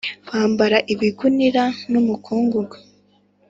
Bambara ibigunira n umukungugu